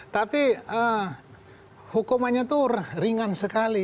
tapi hukumannya itu ringan sekali